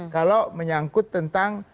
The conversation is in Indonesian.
kalau menyangkut tentang